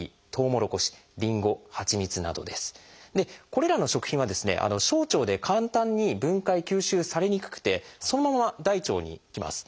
これらの食品は小腸で簡単に分解・吸収されにくくてそのまま大腸に行きます。